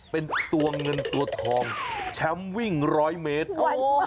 เป็นตัวเงินตัวทองแชมป์วิ่ง๑๐๐เมตร